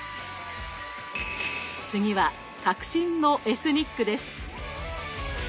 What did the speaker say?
次は革新のエスニックです。